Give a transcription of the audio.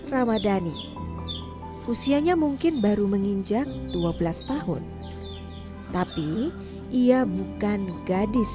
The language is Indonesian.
ramadhani usianya mungkin baru menginjak dua belas tahun tapi ia bukan gadis